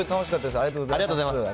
ありがとうございます。